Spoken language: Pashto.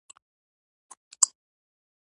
په پوخ عمر د جنون پرلاروتلمه